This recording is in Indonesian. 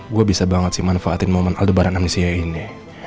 gue bisa banget sih manfaatin momen aldebaran anisia ini